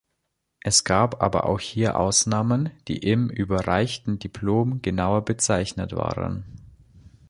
Es gab aber auch hier Ausnahmen, die im überreichten Diplom genauer bezeichnet waren.